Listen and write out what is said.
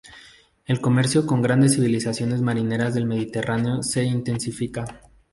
El comercio con las grandes civilizaciones marineras del Mediterráneo se intensifica.